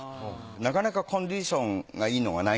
なかなかコンディションがいいのがない。